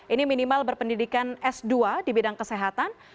ini minimal berpendidikan s dua di bidang kesehatan